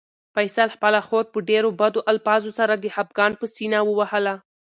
فیصل خپله خور په ډېرو بدو الفاظو سره د خپګان په سېنه ووهله.